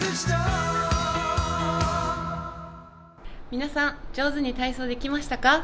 皆さん、上手に体操できましたか？